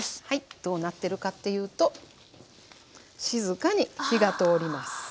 はいどうなってるかっていうと静かに火が通ります。